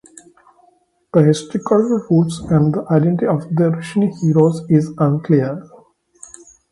The historical roots and the identity of the Vrishni heroes is unclear.